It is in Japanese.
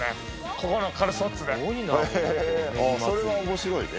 ここのカルソッツでへえーそれは面白いね